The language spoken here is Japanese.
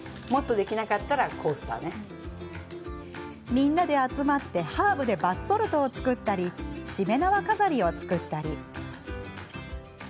みんなで集まってハーブでバスソルトを作ったりしめ縄飾りを作ったり。